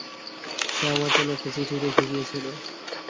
সে আমার জন্য একটা চিঠি রেখে গিয়েছিল।